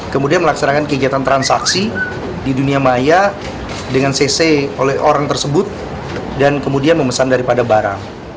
kemudian melaksanakan kegiatan transaksi di dunia maya dengan cc oleh orang tersebut dan kemudian memesan daripada barang